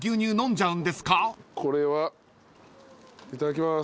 いただきます。